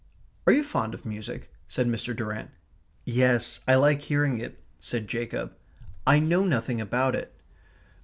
"Are you fond of music?" said Mr. Durrant. "Yes. I like hearing it," said Jacob. "I know nothing about it."